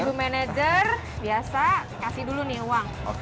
ibu manajer biasa kasih dulu nih uang